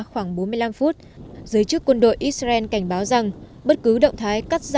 khoảng bốn mươi năm phút giới chức quân đội israel cảnh báo rằng bất cứ động thái cắt giảm